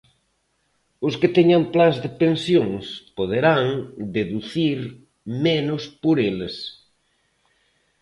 Os que teñan plans de pensións poderán deducir menos por eles.